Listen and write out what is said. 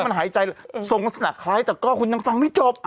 มันหายใจทรงลักษณะคล้ายแต่ก็คุณยังฟังไม่จบ